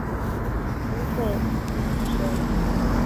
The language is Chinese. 湖北蕲水人。